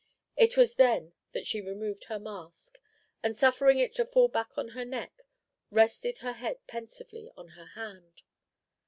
It was then that she removed her mask, and suffering it to fall back on her neck, rested her head pensively on her hand.